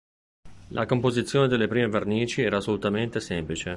La composizione delle prime vernici era assolutamente semplice.